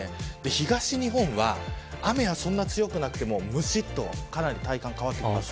東日本は雨はそんなに強くなくてもむしっと体感が変わります。